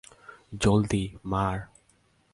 জলদি, মার।